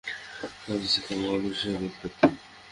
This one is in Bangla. শব্দ থেকে এই মহাবিশ্বের উৎপত্তি।